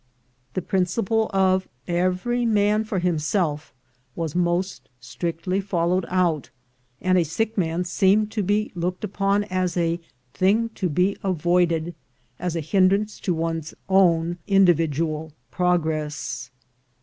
The principle of "every man for himself" was most strictly followed out, and a sick man seemed to be looked upon as a thing to be avoided, as a hindrance to one's own individual progress.